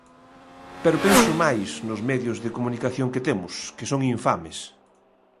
Pero penso máis nos medios de comunicación que temos, que son infames.